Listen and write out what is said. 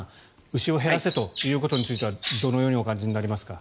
牛を減らせということに関してはどのようにお感じになりますか。